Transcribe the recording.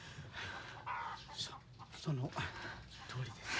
そそのとおりです。